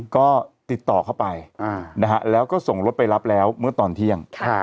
ก็ติดต่อเข้าไปแล้วก็ส่งรถไปรับแล้วเมื่อตอนเที่ยง